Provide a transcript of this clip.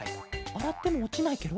あらってもおちないケロ？